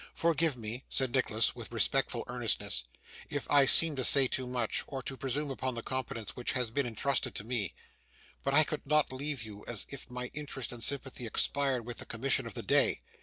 'Forgive me,' said Nicholas, with respectful earnestness, 'if I seem to say too much, or to presume upon the confidence which has been intrusted to me. But I could not leave you as if my interest and sympathy expired with the commission of the day.